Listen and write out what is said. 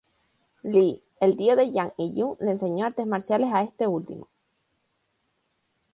Lee, el tío de Yang y Yun le enseñó artes marciales a este último.